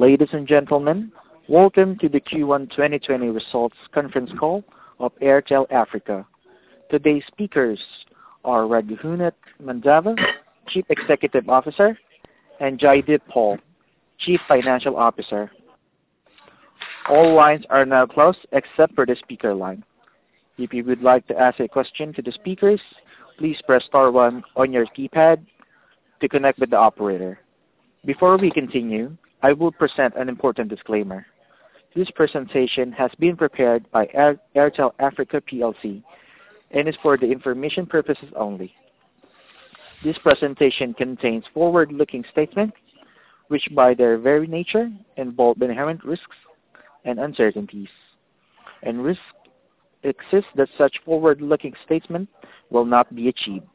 Ladies and gentlemen, welcome to the Q1 2020 results conference call of Airtel Africa. Today's speakers are Raghunath Mandava, Chief Executive Officer, and Jaideep Paul, Chief Financial Officer. All lines are now closed except for the speaker line. If you would like to ask a question to the speakers, please press star one on your keypad to connect with the operator. Before we continue, I will present an important disclaimer. This presentation has been prepared by Airtel Africa plc and is for the information purposes only. This presentation contains forward-looking statements, which by their very nature involve inherent risks and uncertainties. Risk exists that such forward-looking statements will not be achieved.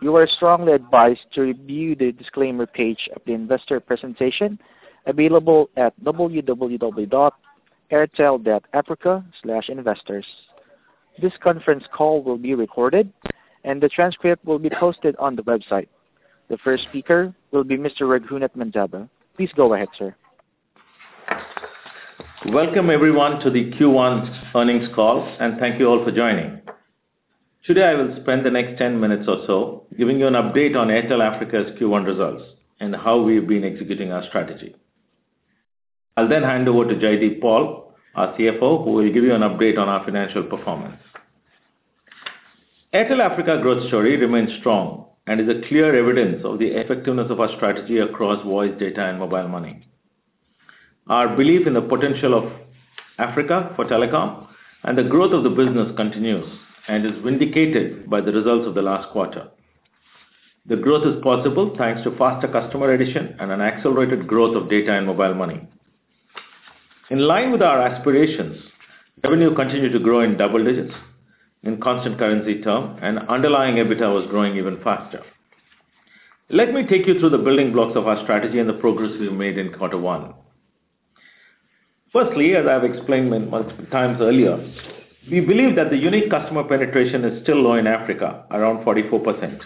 You are strongly advised to review the disclaimer page of the investor presentation available at www.airtel.africa/investors. This conference call will be recorded, and the transcript will be posted on the website. The first speaker will be Mr. Raghunath Mandava. Please go ahead, sir. Welcome, everyone, to the Q1 earnings call. Thank you all for joining. Today, I will spend the next 10 minutes or so giving you an update on Airtel Africa's Q1 results and how we've been executing our strategy. I'll then hand over to Jaideep Paul, our CFO, who will give you an update on our financial performance. Airtel Africa growth story remains strong and is a clear evidence of the effectiveness of our strategy across voice, data, and mobile money. Our belief in the potential of Africa for telecom and the growth of the business continues and is vindicated by the results of the last quarter. The growth is possible thanks to faster customer addition and an accelerated growth of data and mobile money. In line with our aspirations, revenue continued to grow in double digits in constant currency term. Underlying EBITDA was growing even faster. Let me take you through the building blocks of our strategy and the progress we've made in quarter one. Firstly, as I've explained multiple times earlier, we believe that the unique customer penetration is still low in Africa, around 44%.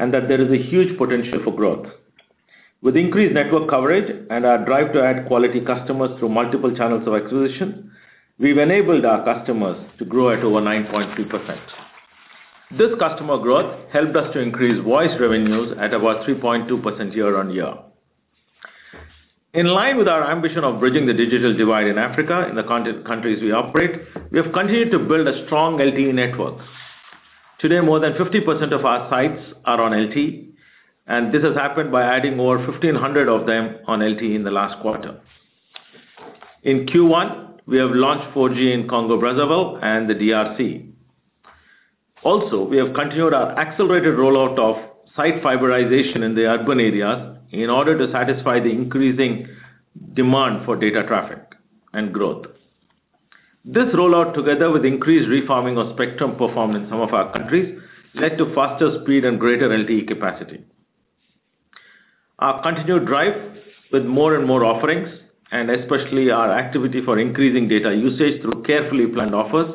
That there is a huge potential for growth. With increased network coverage and our drive to add quality customers through multiple channels of acquisition, we've enabled our customers to grow at over 9.2%. This customer growth helped us to increase voice revenues at about 3.2% year-on-year. In line with our ambition of bridging the digital divide in Africa in the countries we operate, we have continued to build a strong LTE network. Today, more than 50% of our sites are on LTE. This has happened by adding over 1,500 of them on LTE in the last quarter. In Q1, we have launched 4G in Congo, Brazzaville, and the DRC. Also, we have continued our accelerated rollout of site fiberization in the urban areas in order to satisfy the increasing demand for data traffic and growth. This rollout, together with increased reforming of spectrum performed in some of our countries, led to faster speed and greater LTE capacity. Our continued drive with more and more offerings, and especially our activity for increasing data usage through carefully planned offers,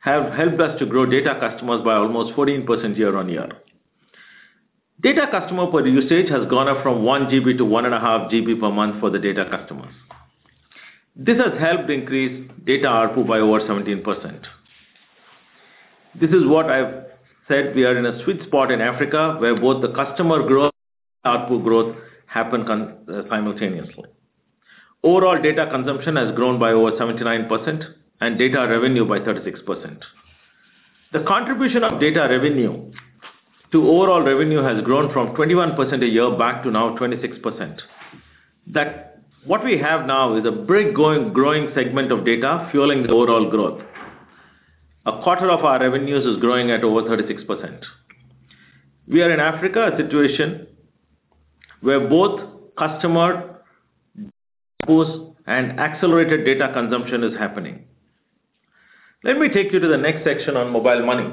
have helped us to grow data customers by almost 14% year-on-year. Data customer per usage has gone up from 1 GB to 1.5 GB per month for the data customers. This has helped increase data ARPU by over 17%. This is what I've said we are in a sweet spot in Africa where both the customer growth, ARPU growth happen simultaneously. Overall data consumption has grown by over 79% and data revenue by 36%. The contribution of data revenue to overall revenue has grown from 21% a year back to now 26%. What we have now is a big growing segment of data fueling the overall growth. A quarter of our revenues is growing at over 36%. We are in Africa, a situation where both customer ARPU and accelerated data consumption is happening. Let me take you to the next section on mobile money.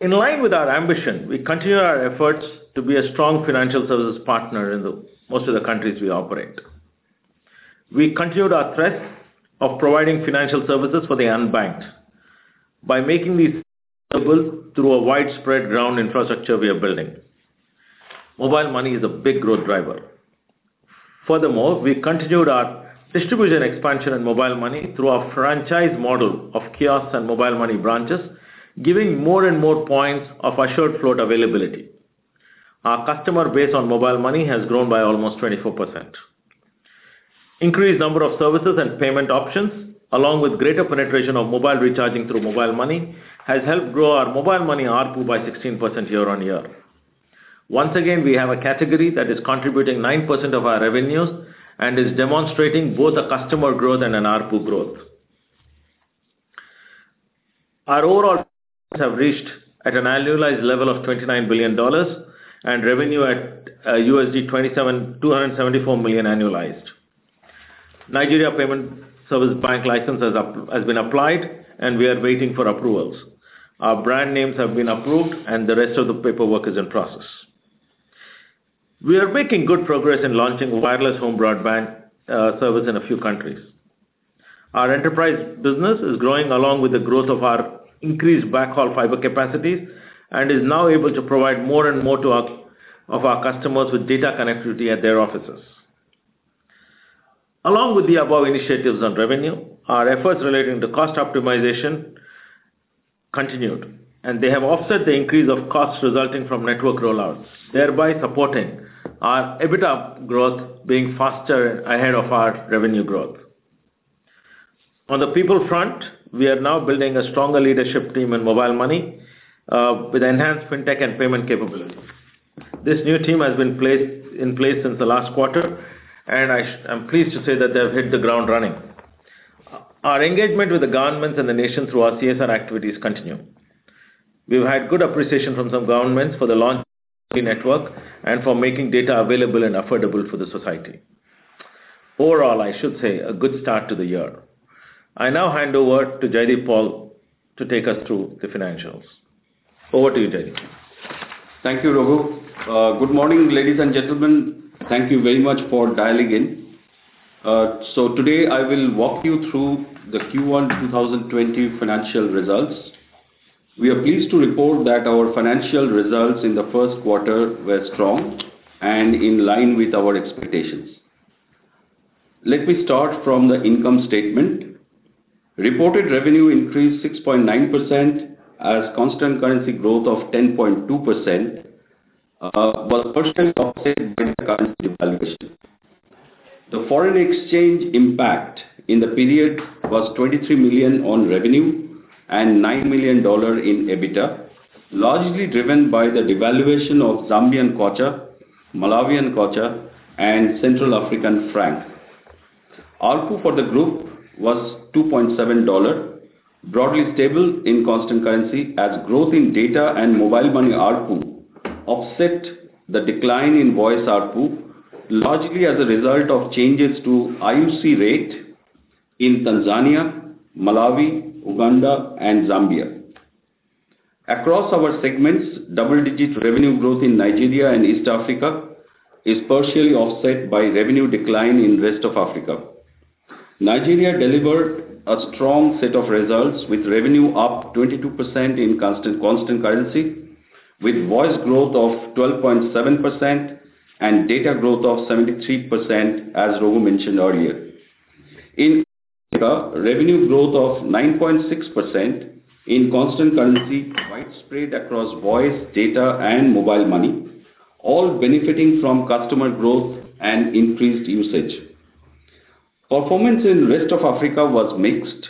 In line with our ambition, we continue our efforts to be a strong financial services partner in most of the countries we operate. We continued our thrust of providing financial services for the unbanked by making these available through a widespread ground infrastructure we are building. Mobile money is a big growth driver. Furthermore, we continued our distribution expansion in mobile money through our franchise model of kiosks and mobile money branches, giving more and more points of assured float availability. Our customer base on mobile money has grown by almost 24%. Increased number of services and payment options, along with greater penetration of mobile recharging through mobile money, has helped grow our mobile money ARPU by 16% year-on-year. Once again, we have a category that is contributing 9% of our revenues and is demonstrating both a customer growth and an ARPU growth. Our overall have reached at an annualized level of $29 billion and revenue at $274 million annualized. Nigeria Payment Service Bank license has been applied, and we are waiting for approvals. Our brand names have been approved, and the rest of the paperwork is in process. We are making good progress in launching wireless home broadband service in a few countries. Our enterprise business is growing along with the growth of our increased backhaul fiber capacities, and is now able to provide more and more to our customers with data connectivity at their offices. Along with the above initiatives on revenue, our efforts relating to cost optimization continued, and they have offset the increase of costs resulting from network rollouts, thereby supporting our EBITDA growth being faster ahead of our revenue growth. On the people front, we are now building a stronger leadership team in Airtel Money, with enhanced fintech and payment capabilities. This new team has been in place since the last quarter, and I'm pleased to say that they have hit the ground running. Our engagement with the governments and the nation through our CSR activities continue. We've had good appreciation from some governments for the launch network and for making data available and affordable for the society. Overall, I should say, a good start to the year. I now hand over to Jaideep Paul to take us through the financials. Over to you, Jaideep. Thank you, Raghu. Good morning, ladies and gentlemen. Thank you very much for dialing in. Today, I will walk you through the Q1 2020 financial results. We are pleased to report that our financial results in the first quarter were strong and in line with our expectations. Let me start from the income statement. Reported revenue increased 6.9% as constant currency growth of 10.2%, but partially offset by the currency devaluation. The foreign exchange impact in the period was $23 million on revenue and $9 million in EBITDA, largely driven by the devaluation of Zambian kwacha, Malawian kwacha, and Central African franc. ARPU for the group was $2.7, broadly stable in constant currency as growth in data and mobile money ARPU offset the decline in voice ARPU, largely as a result of changes to IUC rate in Tanzania, Malawi, Uganda, and Zambia. Across our segments, double-digit revenue growth in Nigeria and East Africa is partially offset by revenue decline in the rest of Africa. Nigeria delivered a strong set of results with revenue up 22% in constant currency, with voice growth of 12.7% and data growth of 73%, as Raghu mentioned earlier. In Africa, revenue growth of 9.6% in constant currency widespread across voice, data, and mobile money, all benefiting from customer growth and increased usage. Performance in the rest of Africa was mixed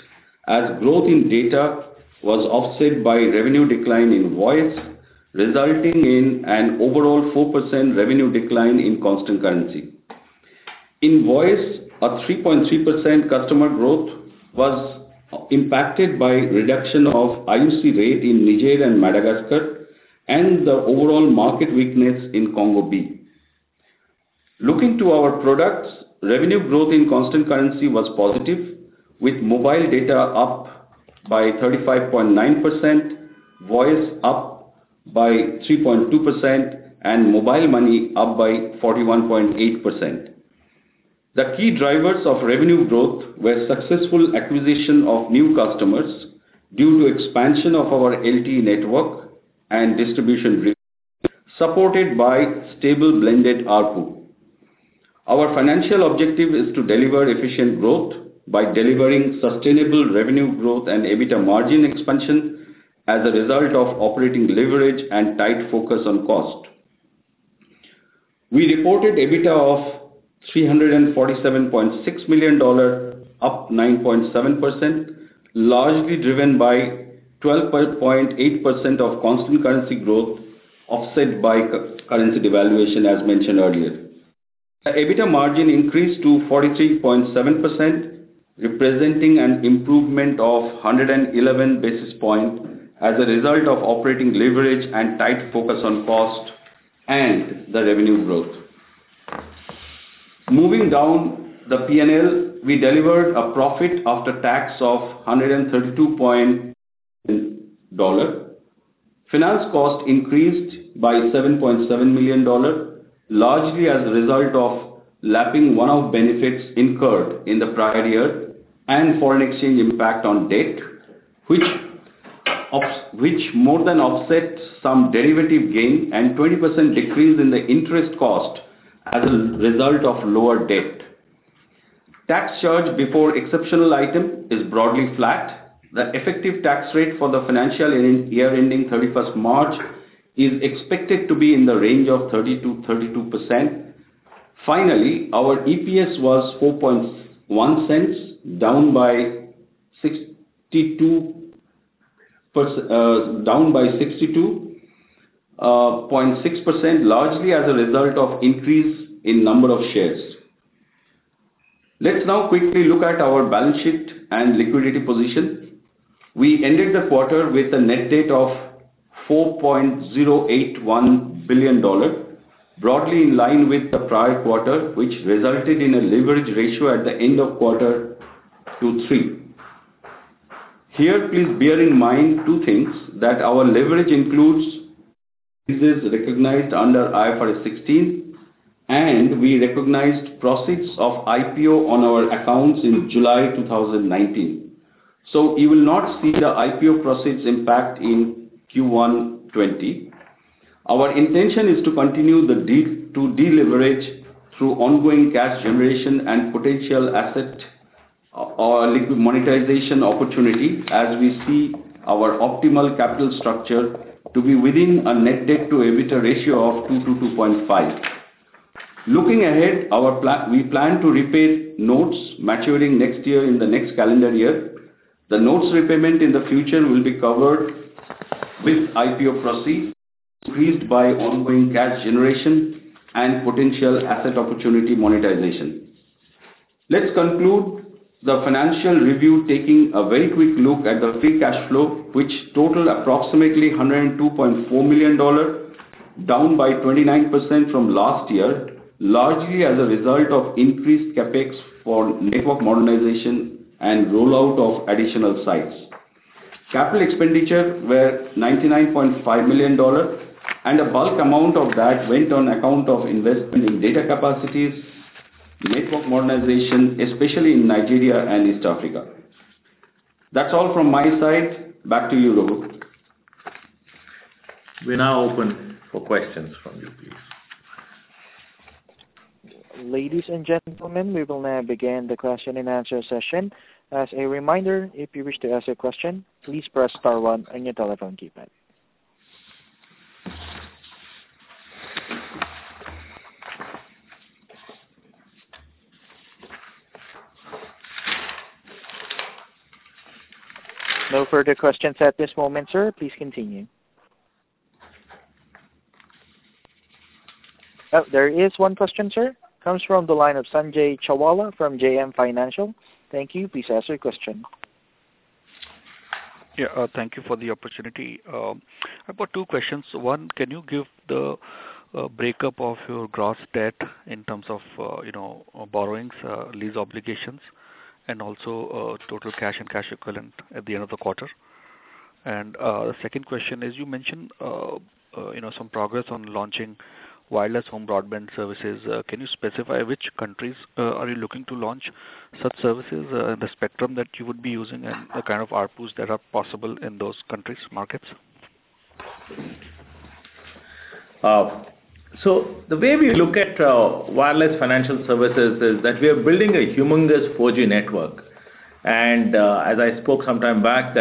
as growth in data was offset by revenue decline in voice, resulting in an overall 4% revenue decline in constant currency. In voice, a 3.3% customer growth was impacted by reduction of IUC rate in Niger and Madagascar, and the overall market weakness in Congo B. Looking to our products, revenue growth in constant currency was positive, with mobile data up by 35.9%, voice up by 3.2%, and mobile money up by 41.8%. The key drivers of revenue growth were successful acquisition of new customers due to expansion of our LTE network and distribution supported by stable blended ARPU. Our financial objective is to deliver efficient growth by delivering sustainable revenue growth and EBITDA margin expansion as a result of operating leverage and tight focus on cost. We reported EBITDA of $347.6 million, up 9.7%, largely driven by 12.8% of constant currency growth offset by currency devaluation, as mentioned earlier. The EBITDA margin increased to 43.7%, representing an improvement of 111 basis points as a result of operating leverage and tight focus on cost and the revenue growth. Moving down the P&L, we delivered a profit after tax of $132. Finance cost increased by $7.7 million, largely as a result of lapping one-off benefits incurred in the prior year and foreign exchange impact on debt, which more than offsets some derivative gain and 20% decrease in the interest cost as a result of lower debt. Tax charge before exceptional item is broadly flat. The effective tax rate for the financial year ending 31st March is expected to be in the range of 30%-32%. Finally, our EPS was $0.041, down by 62.6%, largely as a result of increase in number of shares. Let's now quickly look at our balance sheet and liquidity position. We ended the quarter with a net debt of $4.081 billion, broadly in line with the prior quarter, which resulted in a leverage ratio at the end of quarter 23. Here, please bear in mind two things, that our leverage includes leases recognized under IFRS 16, and we recognized proceeds of IPO on our accounts in July 2019. You will not see the IPO proceeds impact in Q1 2020. Our intention is to continue to deleverage through ongoing cash generation and potential asset or liquid monetization opportunity, as we see our optimal capital structure to be within a net debt to EBITDA ratio of 2-2.5. Looking ahead, we plan to repay notes maturing next year in the next calendar year. The notes repayment in the future will be covered with IPO proceeds, increased by ongoing cash generation and potential asset opportunity monetization. Let's conclude the financial review, taking a very quick look at the free cash flow, which totaled approximately $102.4 million, down by 29% from last year, largely as a result of increased CapEx for network modernization and rollout of additional sites. Capital expenditure were $99.5 million, and a bulk amount of that went on account of investment in data capacities, network modernization, especially in Nigeria and East Africa. That's all from my side. Back to you, Raghu. We're now open for questions from you, please. Ladies and gentlemen, we will now begin the question and answer session. As a reminder, if you wish to ask a question, please press star one on your telephone keypad. No further questions at this moment, sir. Please continue. Oh, there is one question, sir. Comes from the line of Sanjay Chawla from JM Financial. Thank you. Please ask your question. Thank you for the opportunity. I've got two questions. One, can you give the breakup of your gross debt in terms of borrowings, lease obligations, and also total cash and cash equivalent at the end of the quarter? The second question is, you mentioned some progress on launching wireless home broadband services. Can you specify which countries are you looking to launch such services, the spectrum that you would be using, and the kind of ARPU that are possible in those countries markets? The way we look at wireless home broadband services is that we are building a humongous 4G network. As I spoke some time back,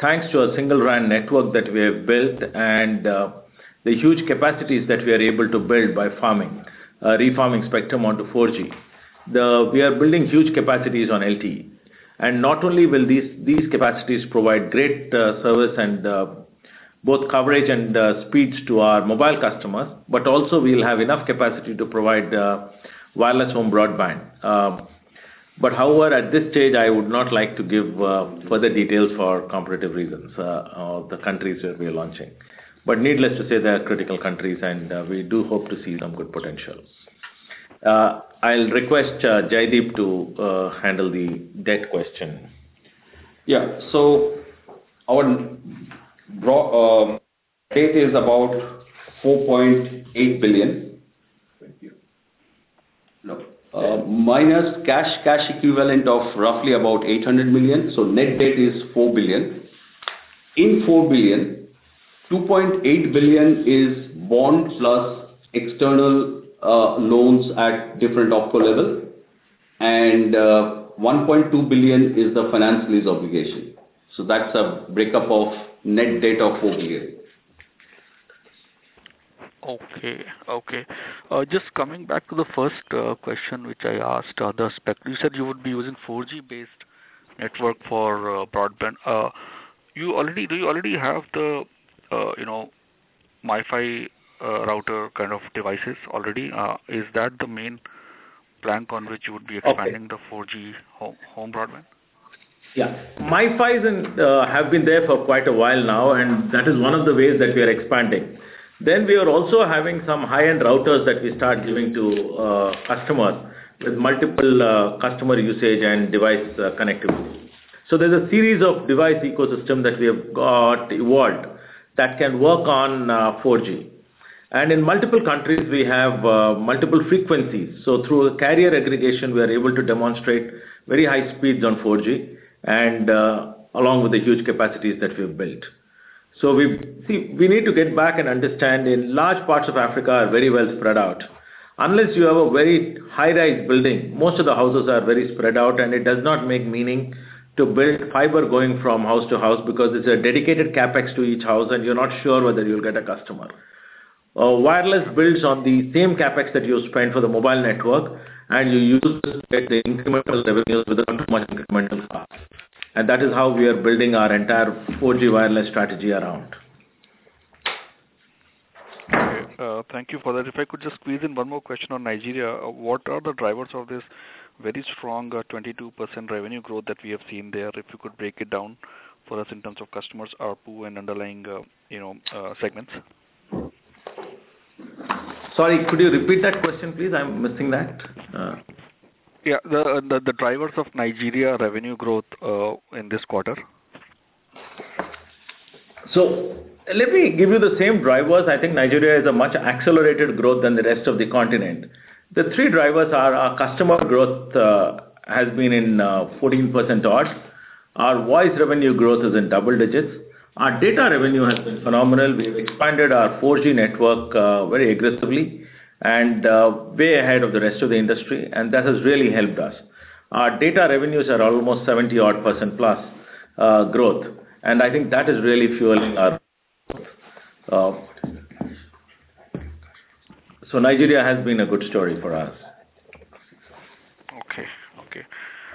thanks to a Single RAN network that we have built and the huge capacities that we are able to build by farming, refarming spectrum onto 4G. We are building huge capacities on LTE. Not only will these capacities provide great service and both coverage and speeds to our mobile customers, but also we'll have enough capacity to provide wireless home broadband. However, at this stage, I would not like to give further details for competitive reasons of the countries that we are launching. Needless to say, they are critical countries, and we do hope to see some good potential. I'll request Jaideep to handle the debt question. Our debt is about $4.8 billion. Thank you. Minus cash equivalent of roughly about $800 million, net debt is $4 billion. In $4 billion, $2.8 billion is bond plus external loans at different OpCo level, and $1.2 billion is the finance lease obligation. That's a breakup of net debt of $4 billion. Okay. Just coming back to the first question which I asked, you said you would be using 4G-based network for broadband. Do you already have the MiFi router kind of devices already? Is that the main plank on which you would be expanding- Okay. The 4G home broadband? Yeah. MiFis have been there for quite a while now, that is one of the ways that we are expanding. We are also having some high-end routers that we start giving to customers with multiple customer usage and device connectivity. There's a series of device ecosystem that we have got evolved that can work on 4G. In multiple countries, we have multiple frequencies. Through carrier aggregation, we are able to demonstrate very high speeds on 4G and along with the huge capacities that we've built. See, we need to get back and understand in large parts of Africa are very well spread out. Unless you have a very high-rise building, most of the houses are very spread out, it does not make meaning to build fiber going from house to house because it's a dedicated CapEx to each house, and you're not sure whether you'll get a customer. Wireless builds on the same CapEx that you spend for the mobile network, and you use this to get the incremental revenues without much incremental cost. That is how we are building our entire 4G wireless strategy around. Okay. Thank you for that. If I could just squeeze in one more question on Nigeria. What are the drivers of this very strong 22% revenue growth that we have seen there? If you could break it down for us in terms of customers, ARPU, and underlying segments? Sorry, could you repeat that question, please? I'm missing that. Yeah. The drivers of Nigeria revenue growth in this quarter. Let me give you the same drivers. I think Nigeria is a much accelerated growth than the rest of the continent. The three drivers are our customer growth has been in 14%-odd. Our voice revenue growth is in double digits. Our data revenue has been phenomenal. We've expanded our 4G network very aggressively, and way ahead of the rest of the industry, and that has really helped us. Our data revenues are almost 70-odd% plus growth. I think that is really fueling our growth. Nigeria has been a good story for us. Okay.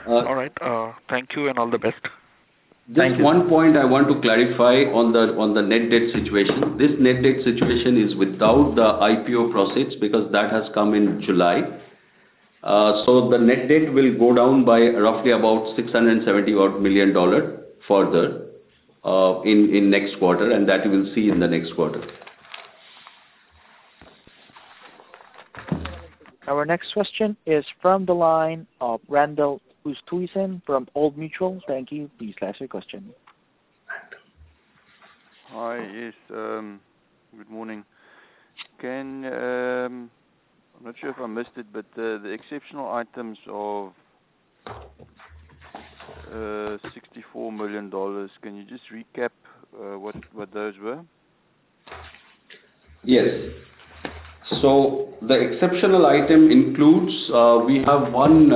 All right. Thank you, and all the best. Thank you. Just one point I want to clarify on the net debt situation. This net debt situation is without the IPO proceeds because that has come in July. The net debt will go down by roughly about $670 odd million further in next quarter, and that you will see in the next quarter. Our next question is from the line of Randolph Oosthuizen from Old Mutual. Thank you. Please ask your question. Hi. Yes, good morning. I'm not sure if I missed it, the exceptional items of $64 million, can you just recap what those were? Yes. The exceptional item includes, we have one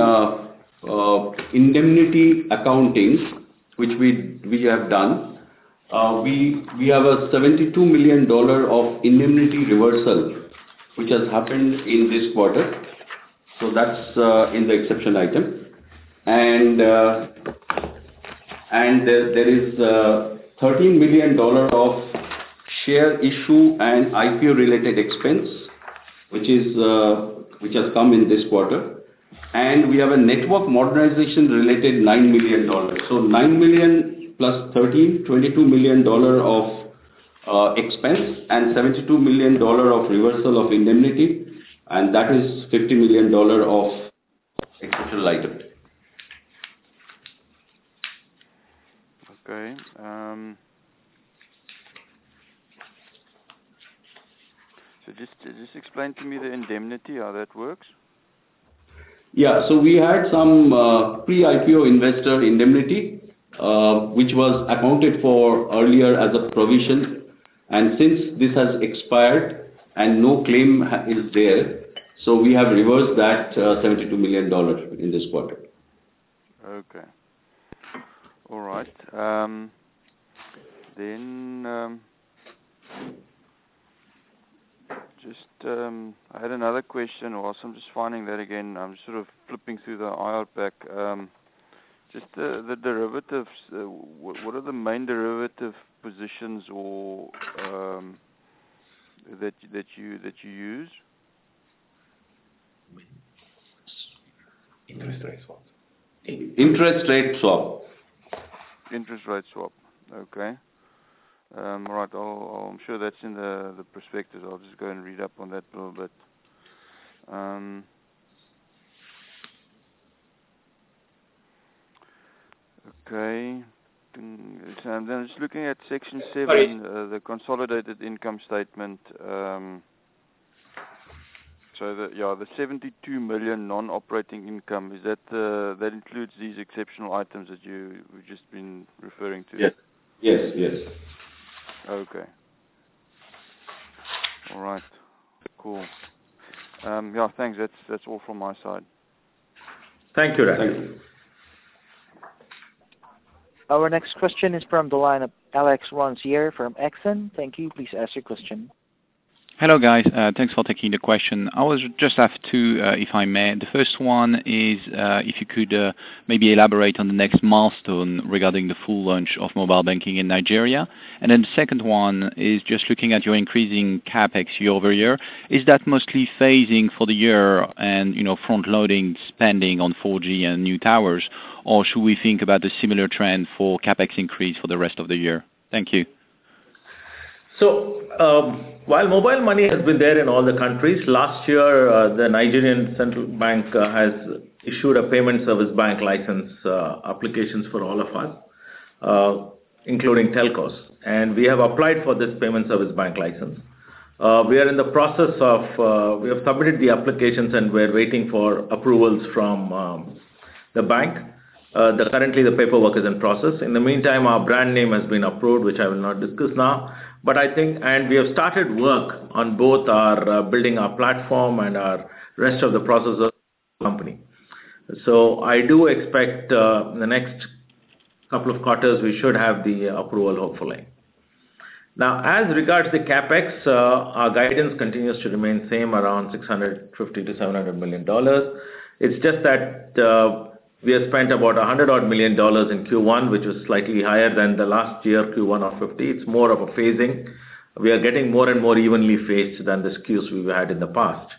indemnity accounting, which we have done. We have a $72 million of indemnity reversal, which has happened in this quarter. That's in the exceptional item. There is a $13 million of share issue and IPO related expense, which has come in this quarter. We have a network modernization related $9 million. Nine million plus 13, $22 million of expense and $72 million of reversal of indemnity, and that is $50 million of exceptional item. Okay. Just explain to me the indemnity, how that works. Yeah. We had some pre-IPO investor indemnity, which was accounted for earlier as a provision. Since this has expired and no claim is there, we have reversed that $72 million in this quarter. Okay. All right. Just I had another question whilst I'm just finding that again. I'm sort of flipping through the IR pack. Just the derivatives, what are the main derivative positions or that you use? Interest rate swap. Interest rate swap. Interest rate swap. Okay. Right. I'm sure that's in the prospectus. I'll just go and read up on that a little bit. Okay. Just looking at section seven. Sorry The consolidated income statement. The, yeah, the $72 million non-operating income, that includes these exceptional items that you've just been referring to? Yes. Okay. All right. Cool. Yeah, thanks. That's all from my side. Thank you, Randolph. Our next question is from the line of Alex Roensiek from Exane. Thank you. Please ask your question. Hello, guys. Thanks for taking the question. I just have two, if I may. The first one is, if you could maybe elaborate on the next milestone regarding the full launch of mobile banking in Nigeria. The second one is just looking at your increasing CapEx year-over-year. Is that mostly phasing for the year and front-loading spending on 4G and new towers, or should we think about the similar trend for CapEx increase for the rest of the year? Thank you. While mobile money has been there in all the countries, last year, the Central Bank of Nigeria has issued a Payment Service Bank license applications for all of us, including telcos. We have applied for this Payment Service Bank license. We have submitted the applications, and we're waiting for approvals from the bank. Currently, the paperwork is in process. In the meantime, our brand name has been approved, which I will not discuss now. We have started work on both our building our platform and our rest of the processes company. I do expect, in the next couple of quarters, we should have the approval, hopefully. Now, as regards to the CapEx, our guidance continues to remain same around $650 million-$700 million. It's just that, we have spent about $100 million in Q1, which was slightly higher than the last year Q1 of $50 million. It's more of a phasing. We are getting more and more evenly phased than the SKUs we've had in the past.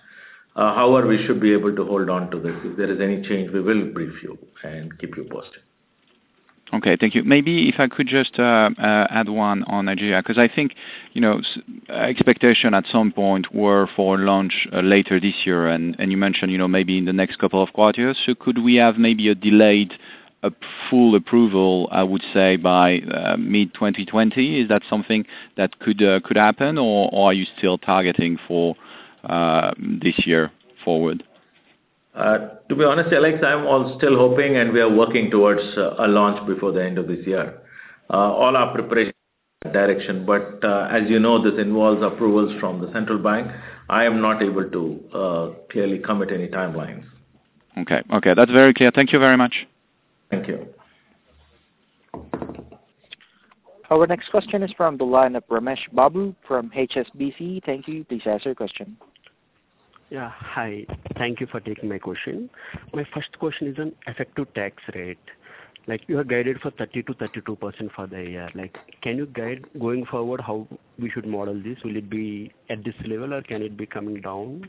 We should be able to hold on to this. If there is any change, we will brief you and keep you posted. Okay, thank you. Maybe if I could just add one on Nigeria, because I think, expectation at some point were for launch later this year, and you mentioned, maybe in the next couple of quarters. Could we have maybe a delayed full approval, I would say, by mid-2020? Is that something that could happen, or are you still targeting for this year forward? To be honest, Alex, I'm still hoping, and we are working towards a launch before the end of this year. All our preparation in that direction, as you know, this involves approvals from the Central Bank. I am not able to clearly commit any timelines. Okay. That's very clear. Thank you very much. Thank you. Our next question is from the line of Ramesh Babu from HSBC. Thank you. Please ask your question. Yeah. Hi. Thank you for taking my question. My first question is on effective tax rate. You are guided for 30%-32% for the year. Can you guide, going forward, how we should model this? Will it be at this level, or can it be coming down?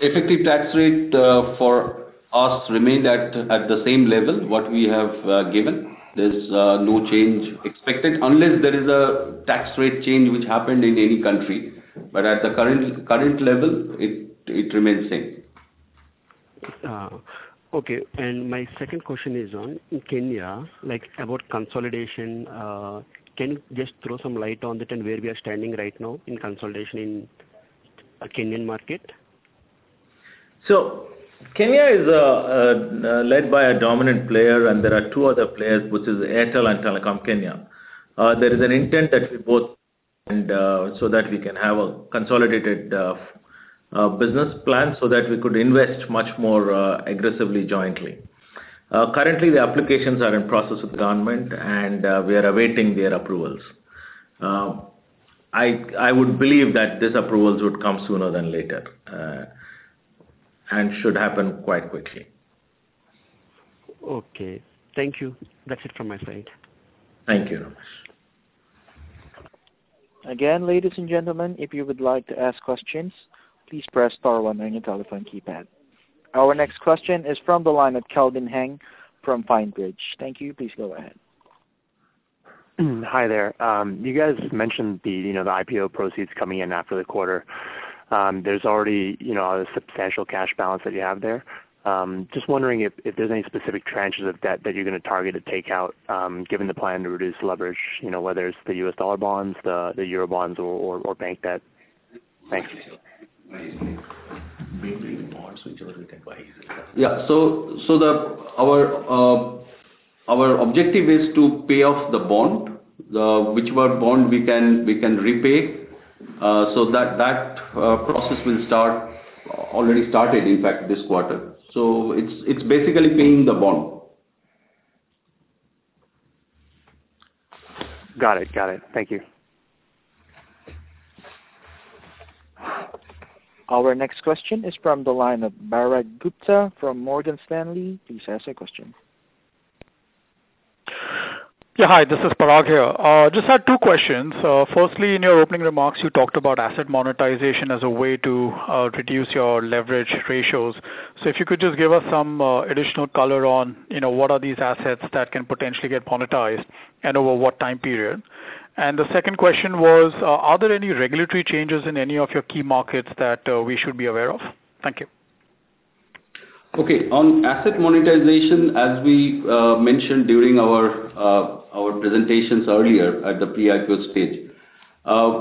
Effective tax rate for us remained at the same level, what we have given. There is no change expected unless there is a tax rate change which happened in any country. At the current level, it remains same. Okay. My second question is on, in Kenya, about consolidation. Can you just throw some light on it and where we are standing right now in consolidation in Kenyan market? Kenya is led by a dominant player, and there are two other players, which is Airtel and Telkom Kenya. There is an intent that we both, and so that we can have a consolidated business plan so that we could invest much more aggressively jointly. Currently, the applications are in process with government, and we are awaiting their approvals. I would believe that these approvals would come sooner than later, and should happen quite quickly. Okay. Thank you. That's it from my side. Thank you. Again, ladies and gentlemen, if you would like to ask questions, please press star one on your telephone keypad. Our next question is from the line of Calvin Hang from PineBridge. Thank you. Please go ahead. Hi there. You guys mentioned the IPO proceeds coming in after the quarter. There's already a substantial cash balance that you have there. Just wondering if there's any specific tranches of debt that you're gonna target to take out, given the plan to reduce leverage, whether it's the US dollar bonds, the EUR bonds, or bank debt. Thanks. Yeah. Our objective is to pay off the bond, whichever bond we can repay. That process will start, already started, in fact, this quarter. It's basically paying the bond. Got it. Thank you. Our next question is from the line of Parag Gupta from Morgan Stanley. Please ask your question. Yeah. Hi, this is Parag here. Just had two questions. Firstly, in your opening remarks, you talked about asset monetization as a way to reduce your leverage ratios. If you could just give us some additional color on what are these assets that can potentially get monetized, and over what time period? The second question was, are there any regulatory changes in any of your key markets that we should be aware of? Thank you. Okay. On asset monetization, as we mentioned during our presentations earlier at the pre-IPO stage.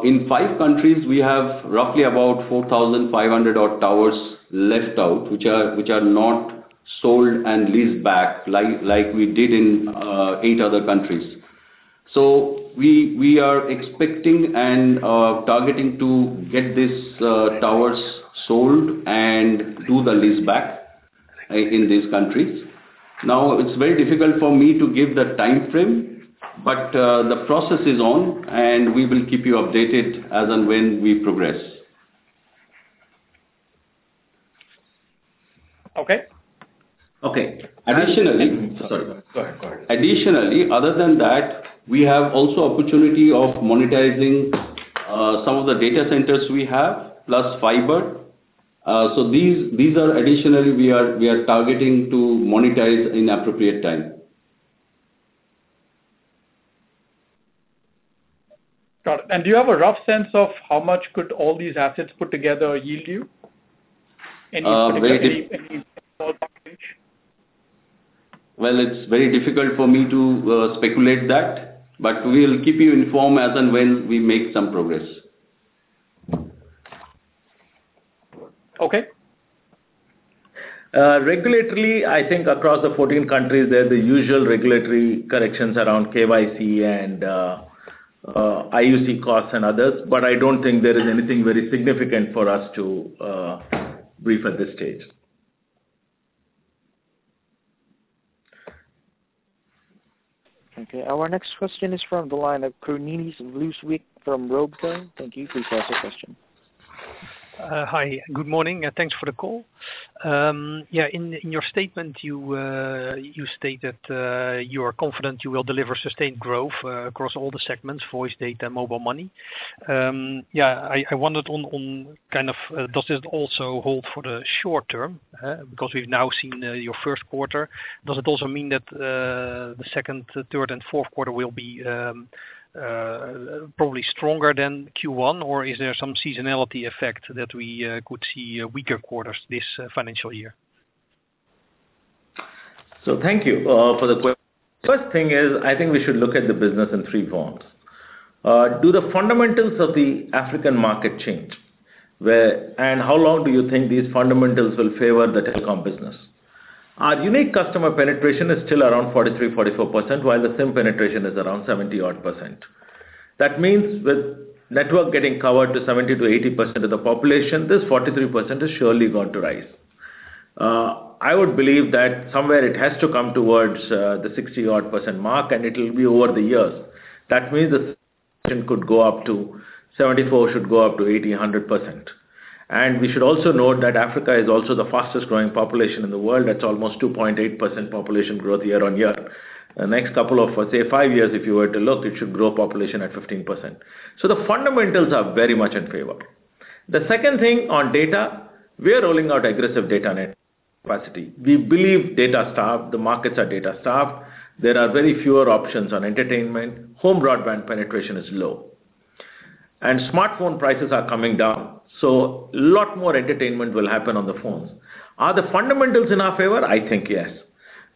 In five countries, we have roughly about 4,500 odd towers left out, which are not sold and leased back, like we did in eight other countries. We are expecting and targeting to get these towers sold and do the lease back in these countries. It's very difficult for me to give the timeframe, but the process is on, we will keep you updated as and when we progress. Okay. Okay. Sorry. Go ahead. Additionally, other than that, we have also opportunity of monetizing some of the data centers we have, plus fiber. These are additionally, we are targeting to monetize in appropriate time. Got it. Do you have a rough sense of how much could all these assets put together yield you? Any particular, any small percentage? It's very difficult for me to speculate that, but we'll keep you informed as and when we make some progress. Okay. Regulatively, I think across the 14 countries, there are the usual regulatory corrections around KYC and IUC costs and others, but I don't think there is anything very significant for us to brief at this stage. Okay. Our next question is from the line of Kuninis Luzwick from Robeco. Thank you. Please ask your question. Hi, good morning, and thanks for the call. In your statement, you state that you are confident you will deliver sustained growth across all the segments, voice, data, mobile money. I wondered, does it also hold for the short term? Because we've now seen your first quarter. Does it also mean that the second, third, and fourth quarter will be probably stronger than Q1? Or is there some seasonality effect that we could see weaker quarters this financial year? Thank you for the question. First thing is, I think we should look at the business in three forms. Do the fundamentals of the African market change, and how long do you think these fundamentals will favor the telecom business? Our unique customer penetration is still around 43%, 44%, while the SIM penetration is around 70-odd %. That means with network getting covered to 70% to 80% of the population, this 43% is surely going to rise. I would believe that somewhere it has to come towards the 60-odd % mark, and it will be over the years. That means the penetration could go up to 74%, should go up to 80%, 100%. We should also note that Africa is also the fastest-growing population in the world. That's almost 2.8% population growth year-on-year. The next couple of, say five years, if you were to look, it should grow population at 15%. The fundamentals are very much in favor. The second thing on data, we are rolling out aggressive data net capacity. We believe data is starved, the markets are data starved. There are very fewer options on entertainment. Home broadband penetration is low, and smartphone prices are coming down, so a lot more entertainment will happen on the phones. Are the fundamentals in our favor? I think yes.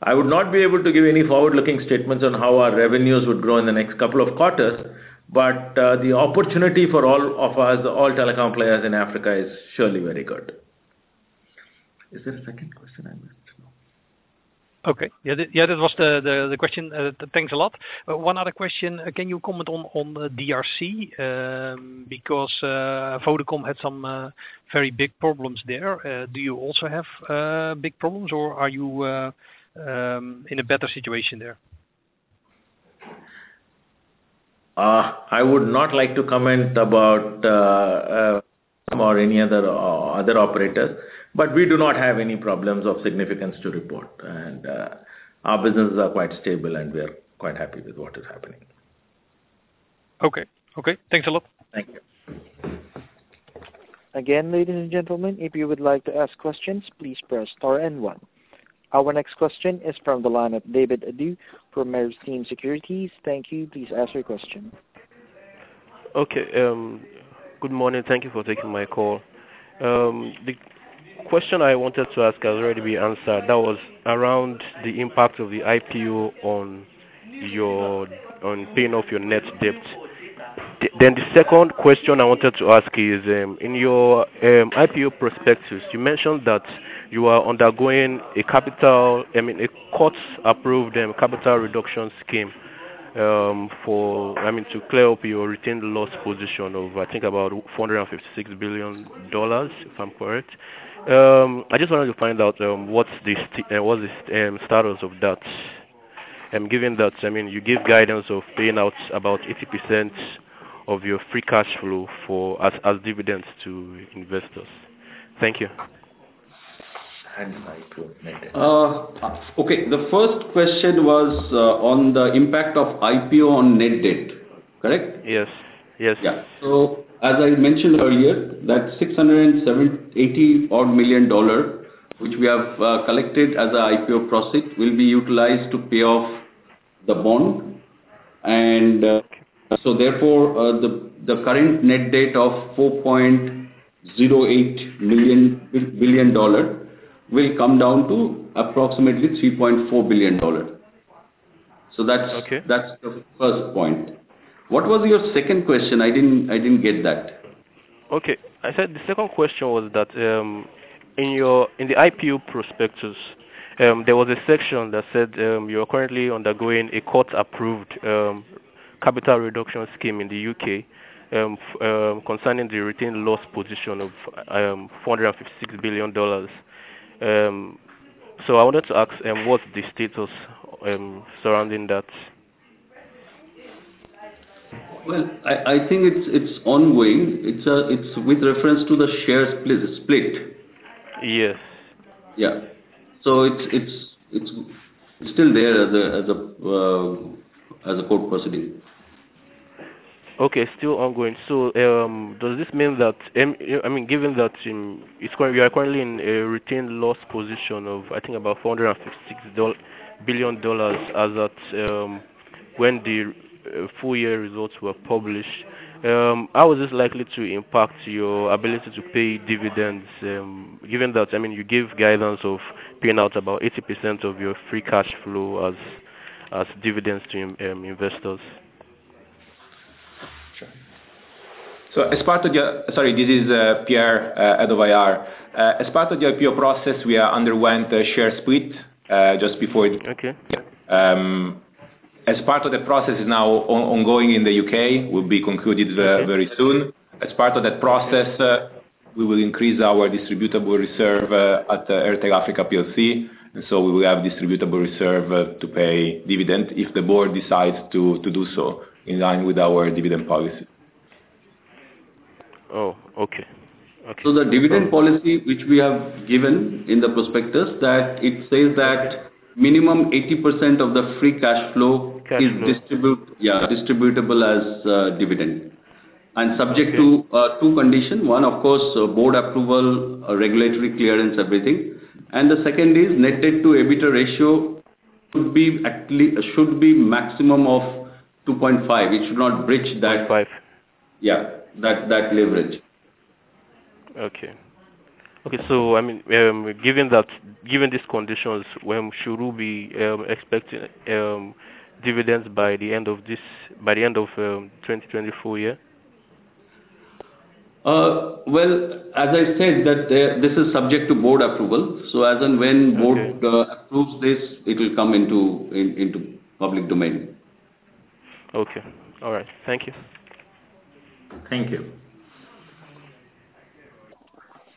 I would not be able to give any forward-looking statements on how our revenues would grow in the next couple of quarters, but the opportunity for all of us, all telecom players in Africa is surely very good. Is there a second question I missed? Okay. Yeah, that was the question. Thanks a lot. One other question. Can you comment on the DRC? Vodacom had some very big problems there. Do you also have big problems, or are you in a better situation there? I would not like to comment about any other operators, but we do not have any problems of significance to report. Our businesses are quite stable, and we are quite happy with what is happening. Okay. Thanks a lot. Thank you. Again, ladies and gentlemen, if you would like to ask questions, please press star and one. Our next question is from the line of David Adu from Meristem Securities. Thank you. Please ask your question. Okay. Good morning. Thank you for taking my call. The question I wanted to ask has already been answered. That was around the impact of the IPO on paying off your net debt. The second question I wanted to ask is, in your IPO prospectus, you mentioned that you are undergoing a court-approved capital reduction scheme to clear up your retained loss position of, I think, about $456 billion, if I'm correct. I just wanted to find out, what's the status of that? Given that, you give guidance of paying out about 80% of your free cash flow as dividends to investors. Thank you. [inaudible] IPO, net-debt. Okay. The first question was on the impact of IPO on net debt, correct? Yes. Yeah. As I mentioned earlier, that $680 odd million, which we have collected as our IPO proceeds, will be utilized to pay off the bond. Therefore, the current net debt of $4.08 billion will come down to approximately $3.4 billion. Okay. That's the first point. What was your second question? I didn't get that. Okay. I said the second question was that, in the IPO prospectus, there was a section that said you are currently undergoing a court-approved capital reduction scheme in the U.K. concerning the retained loss position of $456 billion. I wanted to ask, what's the status surrounding that? Well, I think it's ongoing. It's with reference to the share split. Yes. Yeah. It's still there as a court proceeding. Okay. Still ongoing. Does this mean that, given that you are currently in a retained loss position of, I think about $456 billion as at when the full year results were published, how is this likely to impact your ability to pay dividends? Given that you give guidance of paying out about 80% of your free cash flow as dividends to investors. Sure. Sorry, this is Pier, head of IR. As part of the IPO process, we underwent a share split, just before it. Okay. As part of the process is now ongoing in the U.K., will be concluded very soon. As part of that process, we will increase our distributable reserve at Airtel Africa plc, and so we will have distributable reserve to pay dividend if the board decides to do so in line with our dividend policy. Oh, okay. The dividend policy which we have given in the prospectus, it says that minimum 80% of the free cash flow. Cash flow is distributable as dividend subject to two conditions. One, of course, board approval, regulatory clearance, everything. The second is net debt to EBITDA ratio should be maximum of 2.5. It should not breach that- Five. Yeah, that leverage. Okay. Given these conditions, when should we expect dividends by the end of 2024 year? Well, as I said, this is subject to board approval. As and when board approves this, it will come into public domain. Okay. All right. Thank you. Thank you.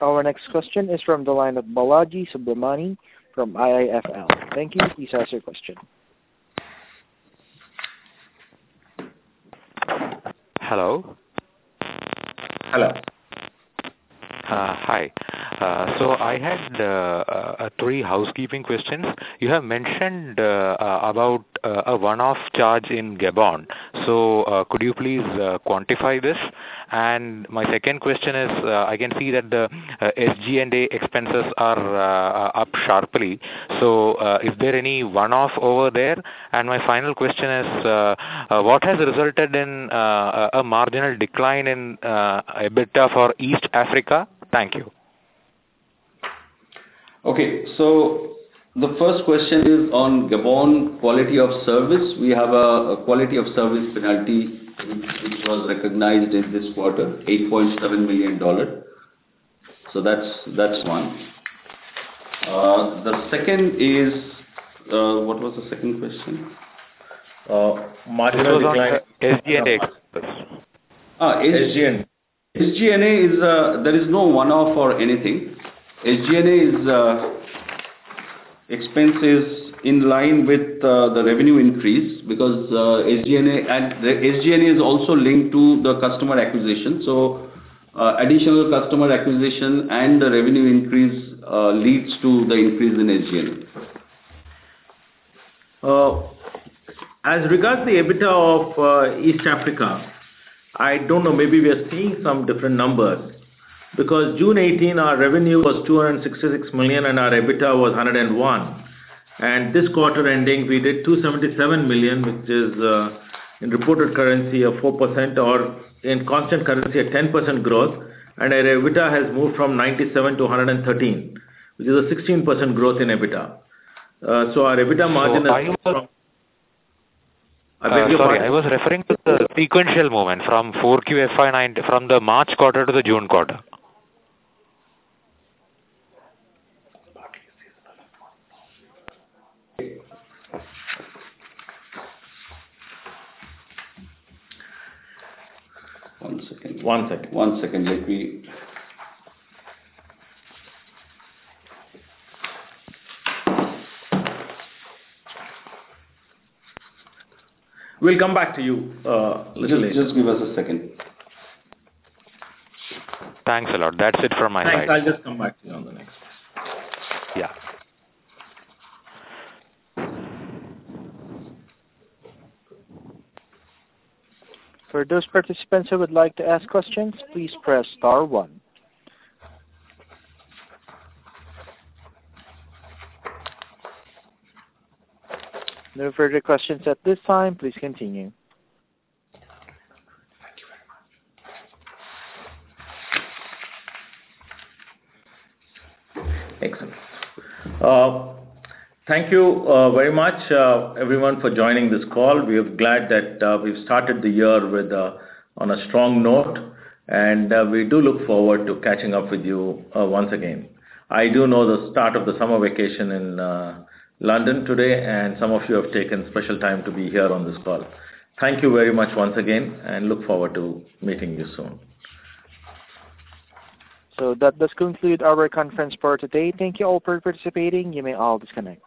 Our next question is from the line of Balaji Subramanian from IIFL. Thank you. Please ask your question. Hello. Hello. Hi. I had three housekeeping questions. You have mentioned about a one-off charge in Gabon. Could you please quantify this? My second question is, I can see that the SG&A expenses are up sharply. Is there any one-off over there? My final question is, what has resulted in a marginal decline in EBITDA for East Africa? Thank you. The first question is on Gabon quality of service. We have a quality of service penalty, which was recognized in this quarter, $8.7 million. That's one. The second is, what was the second question? Marginal decline. It was on SG&A expenses. SG&A. There is no one-off or anything. SG&A expense is in line with the revenue increase, because SG&A is also linked to the customer acquisition. Additional customer acquisition and the revenue increase leads to the increase in SG&A. As regards the EBITDA of East Africa, I don't know, maybe we are seeing some different numbers, because June 2018, our revenue was $266 million, and our EBITDA was $101. This quarter ending, we did $277 million, which is in reported currency of 4% or in constant currency, a 10% growth. Our EBITDA has moved from $97 to $113, which is a 16% growth in EBITDA. Our EBITDA margin has been strong. Sorry, I was referring to the sequential movement from the March quarter to the June quarter. One second. One second. One second. We'll come back to you a little later. Just give us a second. Thanks a lot. That's it from my side. Thanks. I'll just come back to you on the next. Yeah. For those participants who would like to ask questions, please press star one. No further questions at this time. Please continue. Thank you very much. Excellent. Thank you very much, everyone, for joining this call. We are glad that we've started the year on a strong note, and we do look forward to catching up with you once again. I do know the start of the summer vacation in London today, and some of you have taken special time to be here on this call. Thank you very much once again, and look forward to meeting you soon. That does conclude our conference for today. Thank you all for participating. You may all disconnect.